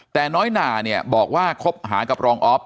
แต่น้อยหนาเนี่ยบอกว่าคบหากับรองออฟ